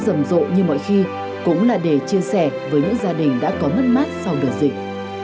rầm rộ như mọi khi cũng là để chia sẻ với những gia đình đã có mất mát sau đợt dịch